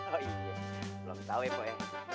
oh iya belum tahu ibu ya